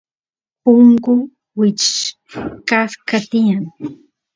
punku wichqasqa tiyan